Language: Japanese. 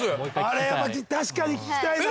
あれ確かに聞きたいな。